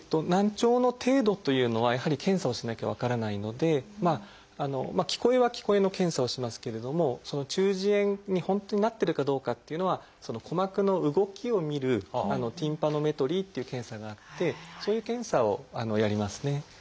難聴の程度というのはやはり検査をしなきゃ分からないので聞こえは聞こえの検査をしますけれども中耳炎に本当になってるかどうかっていうのは鼓膜の動きを見る「ティンパノメトリー」っていう検査があってそういう検査をやりますね。